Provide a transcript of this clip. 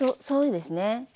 そうですね。